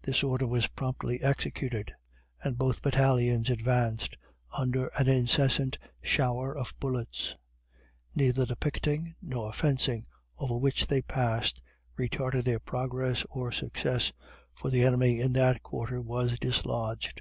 This order was promptly executed, and both battalions advanced under an incessant shower of bullets; neither the picketing nor fencing over which they passed retarded their progress or success, for the enemy in that quarter was dislodged.